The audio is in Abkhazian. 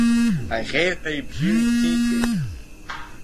Аӷьеҩҳәа ибжьы ҩҭицеит…